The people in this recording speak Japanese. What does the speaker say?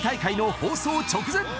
［放送直前］